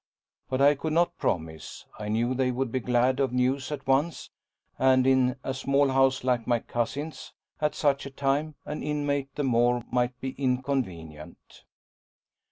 But I could not promise. I knew they would be glad of news at once, and in a small house like my cousin's, at such a time, an inmate the more might be inconvenient.